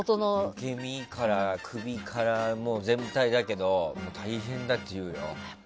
受け身から首から全体だけど大変だって言うよ。